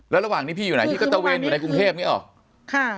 แล้วระหว่างนี้พี่อยู่ไหนพี่ก็ตะเวนอยู่ในกรุงเทพอย่างนี้หรอค่ะ